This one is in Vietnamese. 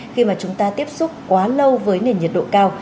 khi mà chúng ta tiếp xúc quá lâu với nền nhiệt độ cao